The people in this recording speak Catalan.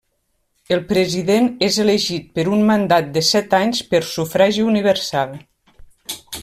El president és elegit per un mandat de set anys per sufragi universal.